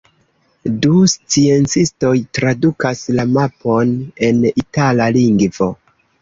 Du sciencistoj tradukas la mapon en itala lingvo.